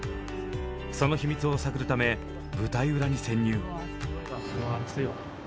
その秘密を探るため舞台裏に潜入！